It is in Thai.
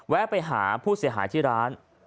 ไปหาผู้เสียหายที่ร้าน